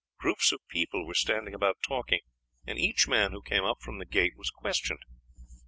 Groups of people were standing about talking, and each man who came up from the gate was questioned.